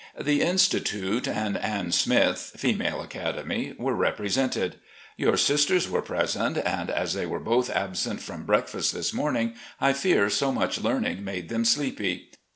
The Institute and Ann Smith [Female Academy] were represented. Your sisters were present, and as they were both absent from breakfast this morning I fear so much learning made them sleepy.